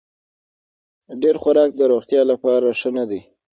ډېر خوراک د روغتیا لپاره ښه نه دی.